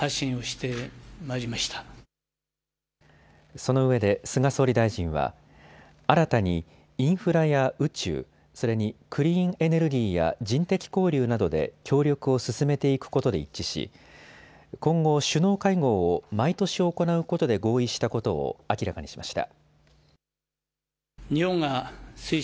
そのうえで菅総理大臣は新たにインフラや宇宙、それにクリーンエネルギーや人的交流などで協力を進めていくことで一致し今後、首脳会合を毎年行うことで合意したことを明らかにしました。